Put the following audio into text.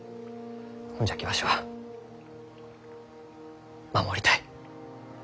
ほんじゃきわしは守りたい。